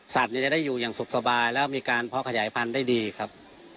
จะได้อยู่อย่างสุขสบายแล้วมีการเพาะขยายพันธุ์ได้ดีครับ